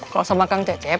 kalau sama kang cecep